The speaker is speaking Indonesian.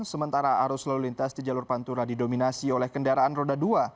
sementara arus lalu lintas di jalur pantura didominasi oleh kendaraan roda dua